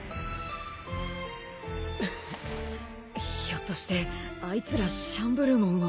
ひょっとしてあいつらシャンブルモンを。